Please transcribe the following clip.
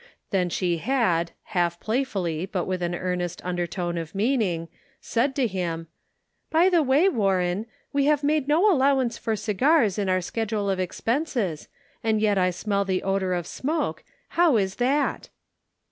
Then she had, half play fully, but with an earnest undertone of mean ing, said to him :" By the way, Warren, we have made no al lowance for cigars in our schedule of expenses, and yet I smell the odor of smoke, how is that?"